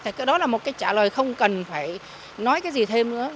thế đó là một cái trả lời không cần phải nói cái gì thêm nữa